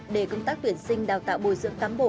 để công tác tuyển sinh đào tạo bồi dưỡng cán bộ